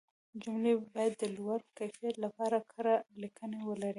جملې باید د لوړ کیفیت لپاره کره لیکنې ولري.